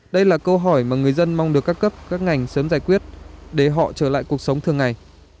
đây là câu hỏi mà người dân mong được các cấp các ngành sớm giải quyết để họ trở lại cuộc sống thường ngày